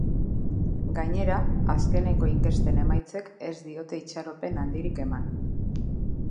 Gainera, azkeneko inkesten emaitzek ez diote itxaropen handirik eman.